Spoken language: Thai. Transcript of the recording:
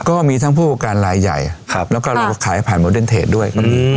ก็มีทั้งผู้ประการรายใหญ่แล้วก็เราก็ขายผ่านโมเดนเทจด้วย